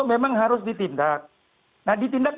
memang harus ditindak nah ditindak